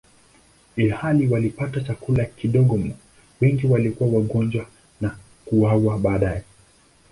Ilhali walipata chakula kidogo mno, wengi walikuwa wagonjwa na kuuawa baadaye.